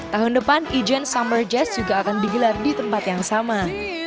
tahun depan ijen summer jazz juga akan digelar di tempat yang sama